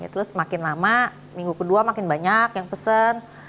terus makin lama minggu kedua makin banyak yang pesen